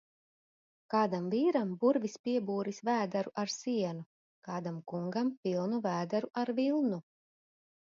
Kādam vīram burvis piebūris vēderu ar sienu, kādam kungam pilnu vēderu ar vilnu.